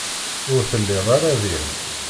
Ur telliḍ ara din.